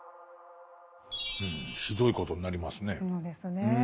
ひどいことになりますね。